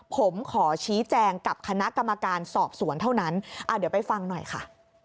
ผมขอชี้แจงกับคณะกรรมการสอบสวนเท่านั้นเดี๋ยวไปฟังหน่อยค่ะ